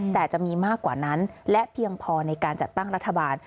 แต่จะมีมากกว่านั้นและเพียงพอในการจัดตั้งรัฐบาล